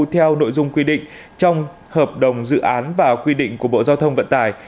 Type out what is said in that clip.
theo nội dung quy định trong hợp đồng dự án và quy định của bộ giao thông vận tải